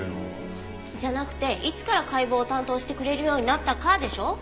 じゃなくて「いつから解剖を担当してくれるようになったか」でしょ？